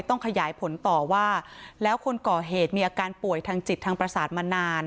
ต้องขยายผลต่อว่าแล้วคนก่อเหตุมีอาการป่วยทางจิตทางประสาทมานาน